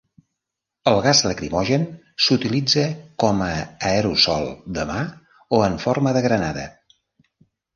El gas lacrimogen s'utilitza com a aerosol de mà o en forma de granada.